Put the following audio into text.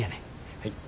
はい。